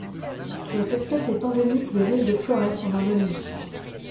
Cette espèce est endémique de l'île de Florès en Indonésie.